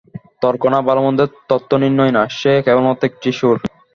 তর্ক না, ভালোমন্দের তত্ত্বনির্ণয় না, সে কেবলমাত্র একটি সুর!